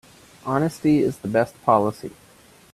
Honesty is the best policy.